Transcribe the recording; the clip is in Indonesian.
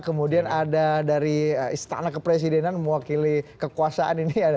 kemudian ada dari istana kepresidenan mewakili kekuasaan ini